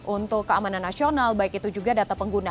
untuk keamanan nasional baik itu juga data pengguna